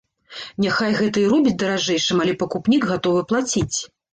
Няхай гэта і робіць даражэйшым, але пакупнік гатовы плаціць.